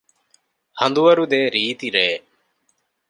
ހަނދުވަރުދޭ ރީތިރެއެއް